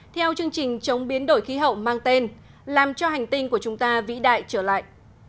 theo chương trình chống biến đổi khí hậu mang tên làm cho hành tinh của chúng ta vĩ đại trở lại